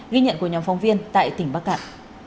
ghi nhận của nhóm phóng viên tại tỉnh bắc cạn